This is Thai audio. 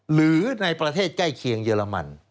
หรือในประเทศใกล้เคียงเยอรมัน